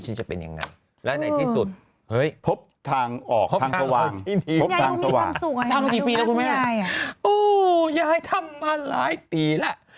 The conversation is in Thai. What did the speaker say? อย่ายายทำมาหลายปีแหละ